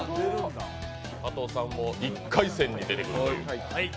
加藤さんも１回戦に出てくるという。